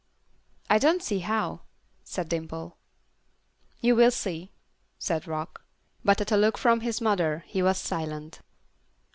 "I don't see how," said Dimple. "You will see," said Rock. But at a look from his mother he was silent.